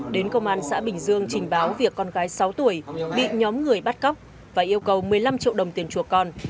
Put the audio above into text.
đến công an xã bình dương trình báo việc con gái sáu tuổi bị nhóm người bắt cóc và yêu cầu một mươi năm triệu đồng tiền chùa con